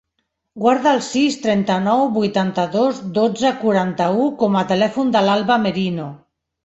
Guarda el sis, trenta-nou, vuitanta-dos, dotze, quaranta-u com a telèfon de l'Alba Merino.